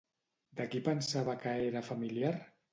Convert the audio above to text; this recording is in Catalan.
De qui pensava que era familiar?